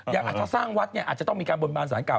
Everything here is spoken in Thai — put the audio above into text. อาจจะสร้างวัดเนี่ยอาจจะต้องมีการบนบานสารเก่า